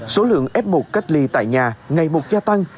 số lượng f một cách ly tại nhà ngày một gia tăng